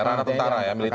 rana tentara ya militer